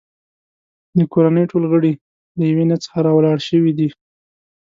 د کورنۍ ټول غړي له یوې نیا څخه راولاړ شوي دي.